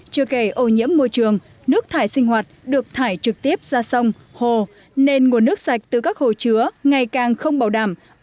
chưa kể ô nhiễm môi trường nước thải sinh hoạt được thải trực tiếp ra sông hồ nên nguồn nước sạch từ các hồ chứa ngày càng không bảo đảm